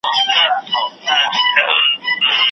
د عاجلي روغتیا دعا کوم